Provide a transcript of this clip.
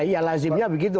yang lazimnya begitu